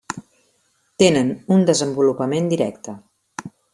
Tenen un desenvolupament directe.